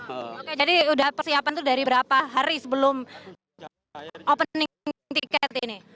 oke jadi udah persiapan tuh dari berapa hari sebelum opening tiket ini